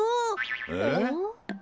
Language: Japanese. えっ？